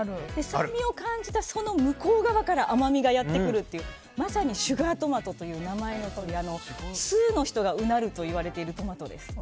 酸味を感じた、その向こう側から甘みがやってくるというまさにシュガートマトという名前のとおり通の人がうなるといわれているトマトです。